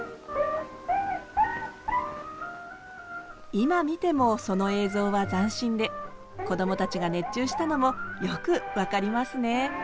今見てもその映像は斬新でこどもたちが熱中したのもよく分かりますね。